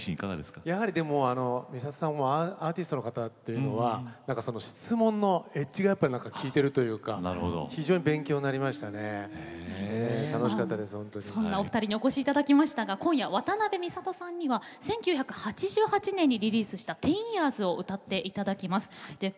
アーティストの方というのは質問のエッジが利いているというかそんな、お二人にお越しいただいたのですが今夜、渡辺美里さんには１９８８年にリリースした「１０ｙｅａｒｓ」を歌っていただきます。